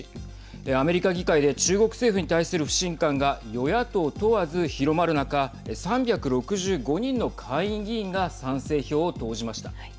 アメリカ議会で中国政府に対する不信感が与野党問わず広まる中３６５人の下院議員が賛成票を投じました。